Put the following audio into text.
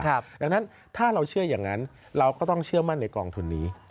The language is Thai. ดังนั้นถ้าเราเชื่ออย่างนั้นเราก็ต้องเชื่อมั่นในกองทุนนี้